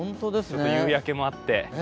夕焼けもあって。